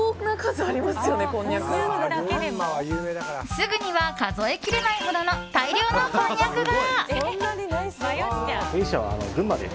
すぐには数えきれないほどの大量のこんにゃくが。